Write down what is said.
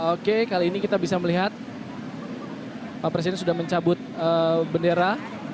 oke kali ini kita bisa melihat pak presiden sudah mencabut bendera